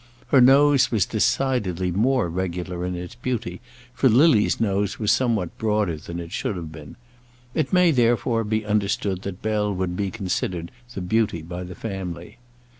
Her nose was decidedly more regular in its beauty, for Lily's nose was somewhat broader than it should have been. It may, therefore, be understood that Bell would be considered the beauty by the family.